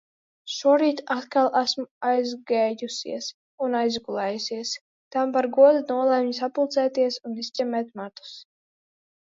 Šorīt atkal esmu aizgējusies. Un izgulējusies. Tam par godu nolemju sapulcēties un izķemmēt matus.